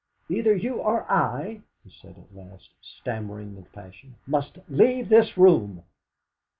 "Either you or I," he said at last, stammering with passion, "must leave this room!"